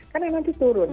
karena nanti turun